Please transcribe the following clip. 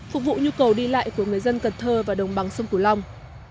phục vụ nhu cầu đi lại của người dân cần thơ và đồng bằng sông cửu long